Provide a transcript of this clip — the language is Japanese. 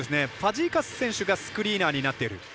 ファジーカス選手がスクリーナーになっている。